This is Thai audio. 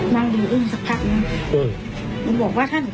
นั่งดูอึ้มสักพักหนู